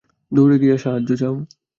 দৌঁড়ে গিয়ে সাহায্য চাও।